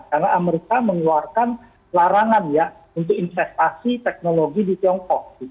karena amerika mengeluarkan larangan ya untuk investasi teknologi di tiongkok